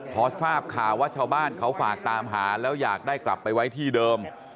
พอทราบข่าวว่าชาวบ้านเขาฝากตามหาแล้วอยากได้กลับไปไว้ที่เดิม